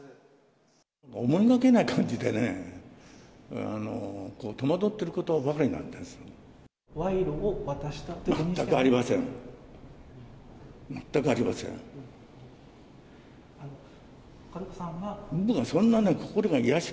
思いがけない感じでね、戸惑ってることばかりなんです。